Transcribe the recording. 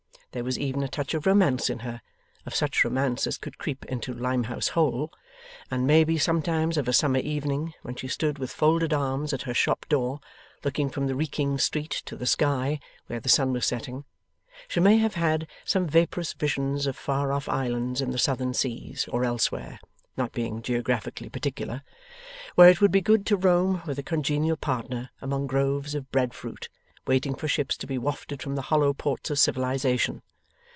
There was even a touch of romance in her of such romance as could creep into Limehouse Hole and maybe sometimes of a summer evening, when she stood with folded arms at her shop door, looking from the reeking street to the sky where the sun was setting, she may have had some vaporous visions of far off islands in the southern seas or elsewhere (not being geographically particular), where it would be good to roam with a congenial partner among groves of bread fruit, waiting for ships to be wafted from the hollow ports of civilization.